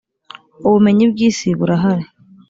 Ubumenyi bw’ isi burahari.